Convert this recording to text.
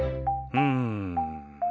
うん。